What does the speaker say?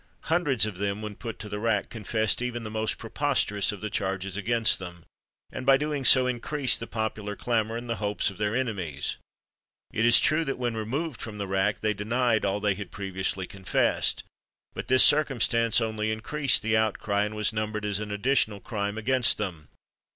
Hundreds of them, when put to the rack, confessed even the most preposterous of the charges against them, and by so doing increased the popular clamour and the hopes of their enemies. It is true that, when removed from the rack, they denied all they had previously confessed; but this circumstance only increased the outcry, and was numbered as an additional crime against them.